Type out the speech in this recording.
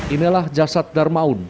inilah jasad dharmaun